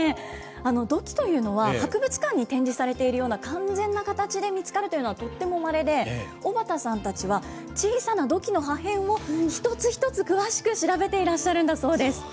土器というのは、博物館に展示されているような完全な形で見つかるというのは、とってもまれで、小畑さんたちは小さな土器の破片を一つ一つ詳しく調べていらっしゃるんだそうです。